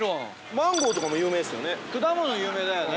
マンゴーとかも有名ですよね。